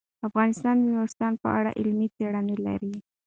افغانستان د نورستان په اړه علمي څېړنې لري.